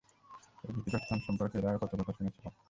এই ভীতিকর স্থান সম্পর্কে এর আগে কত কথা শুনেছিলাম।